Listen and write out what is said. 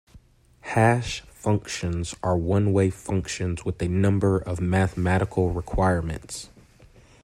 Hash functions are one-way functions with a number of mathematical requirements.